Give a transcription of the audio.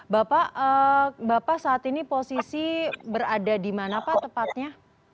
bapak bapak saat ini posisi berada di mana pak tepatnya